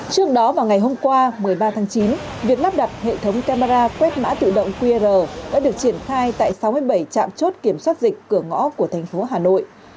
trước đó vào ngày hôm qua một mươi ba tháng chín việc lắp đặt hệ thống camera quét mã tự động qr đã được triển khai tại sáu mươi bảy trạm chốt kiểm soát dịch cửa ngõ của thành phố hà nội